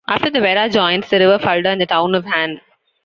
After the Werra joins the river Fulda in the town of Hann.